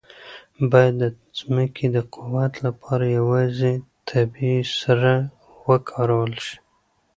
باید د ځمکې د قوت لپاره یوازې طبیعي سره وکارول شي.